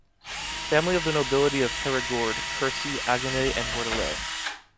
Family of the nobility of Périgord, Quercy, Agenais and Bordelais.